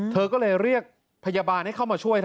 เธอก็เลยเรียกพยาบาลให้เข้ามาช่วย